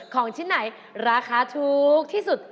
ของที่ไหนราคาทูกที่สุด